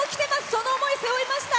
その思い、背負いました。